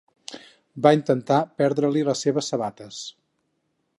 Va intentar prendre-li les seves sabates.